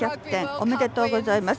おめでとうございます。